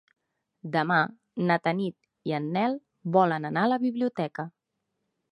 Demà na Tanit i en Nel volen anar a la biblioteca.